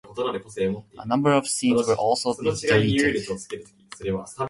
A number of scenes were also deleted.